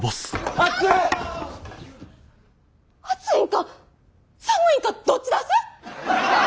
暑いんか寒いんかどっちだす！？